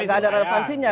enggak ada relevansinya